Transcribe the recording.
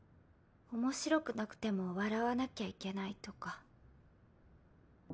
面白くなくても笑わなきゃいけないとか。